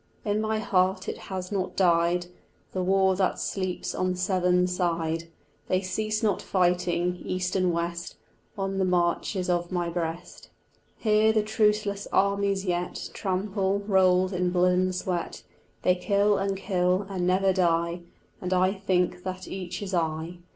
In my heart it has not died, The war that sleeps on Severn side; They cease not fighting, east and west, On the marches of my breast. Here the truceless armies yet Trample, rolled in blood and sweat; They kill and kill and never die; And I think that each is I.